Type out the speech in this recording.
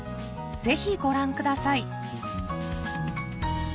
ぜひご覧ください